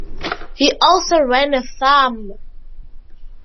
He also ran a farm.